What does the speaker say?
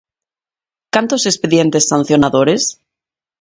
¿Cantos expedientes sancionadores?